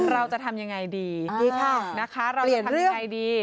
เราจะทำยังไงดี